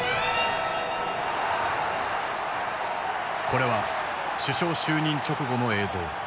これは首相就任直後の映像。